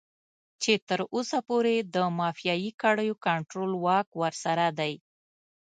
چې تر اوسه پورې د مافيايي کړيو کنټرول واک ورسره دی.